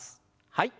はい。